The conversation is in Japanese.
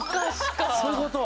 そういうこと？